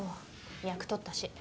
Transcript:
脈取ったし。